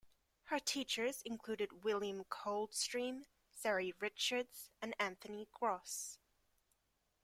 Her teachers included William Coldstream, Ceri Richards and Anthony Gross.